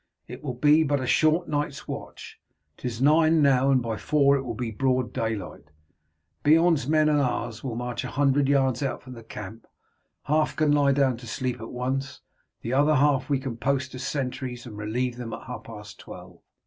It will be but a short night's watch. 'Tis nine now, and by four it will be broad daylight. Beorn's men and ours will march a hundred yards out from the camp. Half can lie down to sleep at once, the other half we can post as sentries and relieve them at half past twelve.